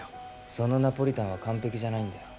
そのナポリタンは完璧じゃないんだよ